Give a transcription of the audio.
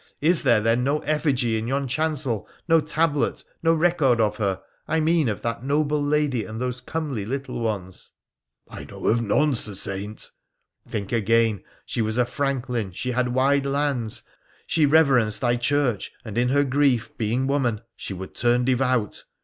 Is there, then, no effigy in yon chancel, no tablet, no record of her — I mean oi that noble lady and those comely little ones ?' 124 WONDERFUL ADVENTURES OF 1 1 know of none, Sir Saint.' ' Think again. She was a franklin, she had wide lands ; «he reverenced thy Church, and in her grief, being woman, she would turn devout.